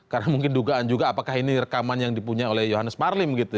karena mungkin dugaan juga apakah ini rekaman yang dipunya oleh johannes marlim gitu